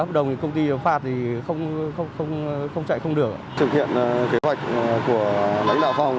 hợp đồng công ty phát thì không không không chạy không được thực hiện kế hoạch của lãnh đạo phòng